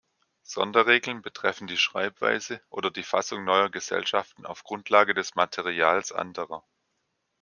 Sonderregeln betreffen die Schreibweise oder die Fassung neuer Gesellschaften auf Grundlage des Materials anderer.